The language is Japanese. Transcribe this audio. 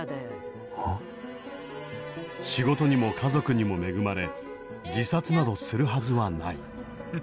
仕事にも家族にも恵まれ自殺などするはずはない。